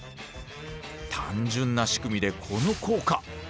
単純な仕組みでこの効果。